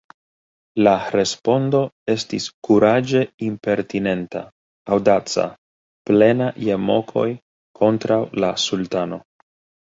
La respondo estis kuraĝe impertinenta, aŭdaca, plena je mokoj kontraŭ la sultano.